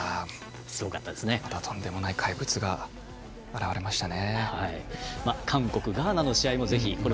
またとんでもない怪物が現れましたね。